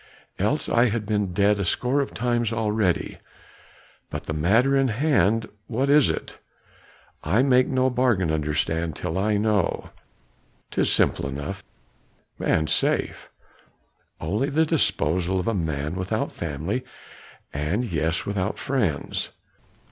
Else I had been dead a score of times already. But the matter in hand, what is it? I make no bargain, understand, till I know." "'Tis simple enough and safe. Only the disposal of a man without family, and yes without friends.